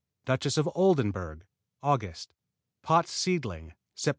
Duchess of Oldenburg Aug. Pott's Seedling Sept.